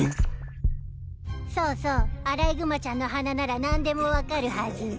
そうそうアライグマちゃんの鼻なら何でも分かるはず。